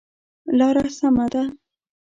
لاره سمه ده؟